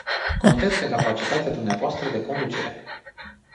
Contez pe capacitatea dumneavoastră de conducere.